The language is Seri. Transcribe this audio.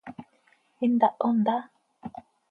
¿Intaho ntá?